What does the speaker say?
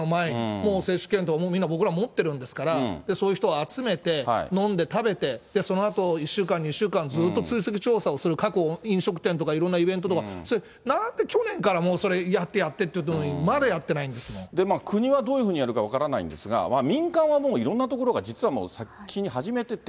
もう接種検討、僕らみんな持ってるんですから、そういう人を集めて飲んで食べて、そのあと１週間、２週間ずっと追跡調査をする、各飲食店とかいろんなイベントとか、それをなんで、去年からもうそれ、やってやってって言ったのに、まだやってない国はどういうふうにやるか分からないんですが、民間はもういろんな所が実はもう先に始めてて。